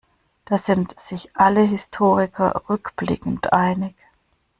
Da sind sich alle Historiker rückblickend einig.